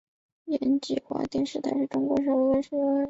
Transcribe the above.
延吉新华广播电台是中国历史上首个使用朝鲜语播音的电台。